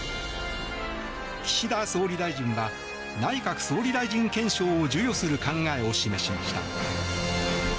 岸田総理大臣は内閣総理大臣顕彰を授与する考えを示しました。